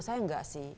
saya enggak sih